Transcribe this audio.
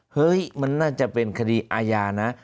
เฮ้ยมันน่าจะเป็นคดีอาญานะ